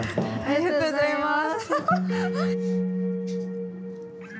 ありがとうございます。